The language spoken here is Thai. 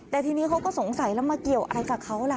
แต่ทีนี้เขาก็สงสัยแล้วมาเกี่ยวอะไรกับเขาล่ะ